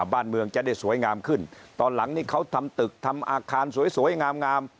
บ้านเมืองจะได้สวยงามขึ้นตอนหลังนี่เขาทำตึกทำอาคารสวยงาม